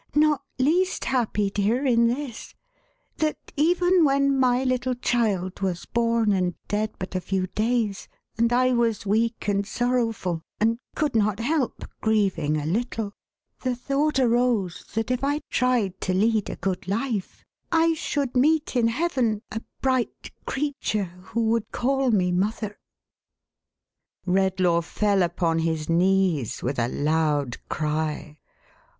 Not least happy, dear, in this — that even when my little child was born and dead but a few days and I was weak and sorrowful, and could not help grieving a little, the thought arose, that if I tried to lead a good life, I should meet in Heaven a bright creature, who would call me. Mother !" Redlaw fell upon his knees, with a loud cry.